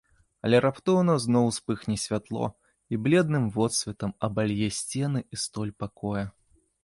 Але раптоўна зноў успыхне святло і бледным водсветам абалье сцены і столь пакоя.